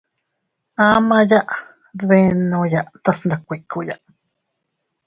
A maʼya dbenoya tase ndas kuikkuya.